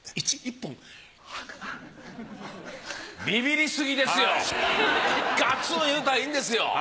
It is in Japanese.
ビビリすぎですよ。